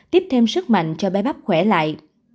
tiếp thêm sức mạnh cho bé bắp khỏe lại